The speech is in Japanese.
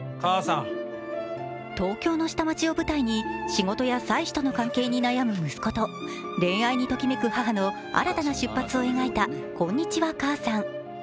東京の下町を舞台に仕事や妻子との関係に悩む息子と恋愛にときめく母の新たな出発を描いた「こんにちは、母さん」。